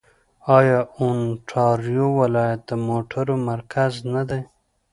آیا اونټاریو ولایت د موټرو مرکز نه دی؟